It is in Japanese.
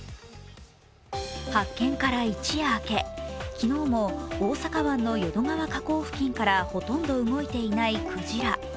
発見から一夜明け、昨日も大阪湾の淀川河口付近からほとんど動いていないクジラ。